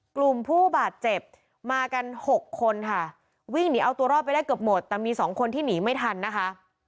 กลุ่มผู้บาดเจ็บมากันหกคนค่ะวิ่งหนีเอาตัวรอดไปได้เกือบหมดแต่มีสองคนที่หนีไม่ทันนะคะ